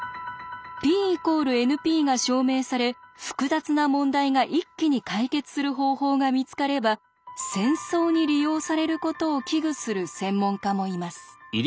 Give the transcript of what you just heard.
Ｐ＝ＮＰが証明され複雑な問題が一気に解決する方法が見つかれば戦争に利用されることを危惧する専門家もいます。